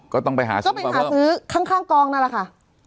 ก็ต้องไปหาซื้อก็ไปหาซื้อข้างกองนั่นแหละค่ะ